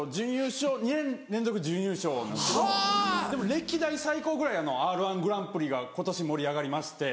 歴代最高ぐらい『Ｒ−１グランプリ』が今年盛り上がりまして。